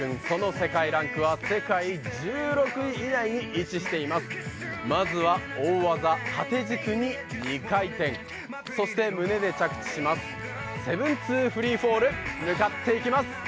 その世界ランクは世界１６位以内に位置しています。